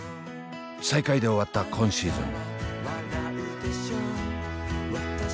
最下位で終わった今シーズン。